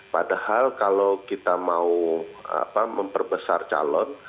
padahal kalau kita mau memperbesar calon